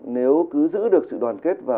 nếu cứ giữ được sự đoàn kết và